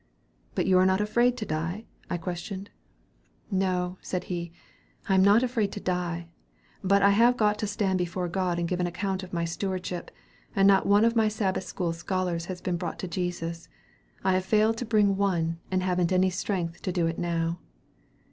"'But you are not afraid to die?' I questioned. "'No,' said he, 'I am not afraid to die; but I have got to stand before God and give an account of my stewardship, and not one of my Sabbath school scholars has been brought to Jesus. I have failed to bring one, and haven't any strength to do it now.'